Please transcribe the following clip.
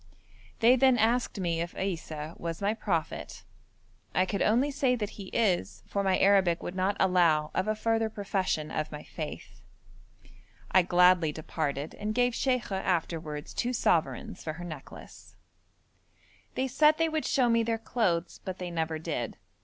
They then asked me if Issa was my prophet. I could only say that He is, for my Arabic would not allow of a further profession of my faith. I gladly departed and gave Sheikha afterwards two sovereigns for her necklace. They said they would show me their clothes, but they never did.